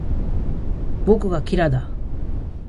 僕がキラだ